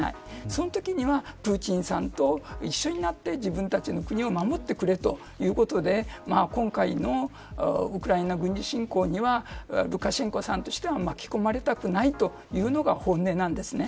そのときにはプーチンさんと一緒になって自分たちの国を守ってくれということで今回のウクライナ軍事侵攻にはルカシェンコさんとしては巻き込まれたくないというのが本音なんですね。